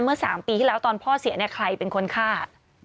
เมื่อ๓ปีที่แล้วตอนพ่อเสียเนี่ยใครเป็นคนฆ่า